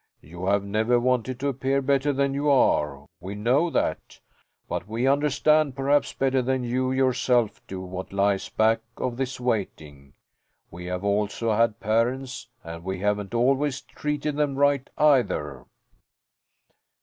"You have never wanted to appear better than you are. We know that. But we understand perhaps better than you yourself do what lies back of this waiting. We have also had parents and we haven't always treated them right, either."